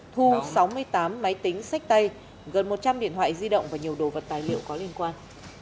thu sáu mươi tám máy tính sách tay gần một trăm linh điện thoại di động và nhiều đồ vật tài liệu có liên quan